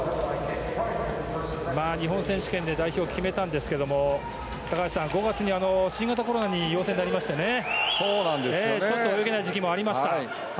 日本選手権で代表を決めたんですが高橋さん、５月に新型コロナに陽性になりましてちょっと泳げない時期もありました。